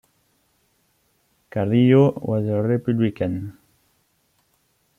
Carrillo was a Republican.